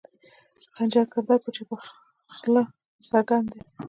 خنجر کردار پۀ چپه خله څرګند دے